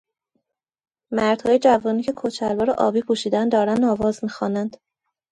مردهای جوانی که کت شلوار آبی پوشیده اند دارند آواز می خوانند.